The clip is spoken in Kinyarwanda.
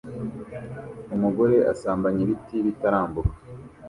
Umugore asambanya ibiti bitarumbuka